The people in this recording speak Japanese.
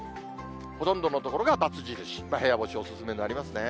ほとんどの所がばつ印、部屋干しお勧めになりますね。